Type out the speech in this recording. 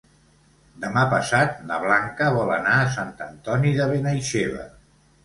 Demà passat na Blanca vol anar a Sant Antoni de Benaixeve.